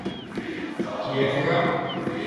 Κι έφυγα